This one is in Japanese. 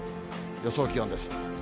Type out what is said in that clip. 予想気温です。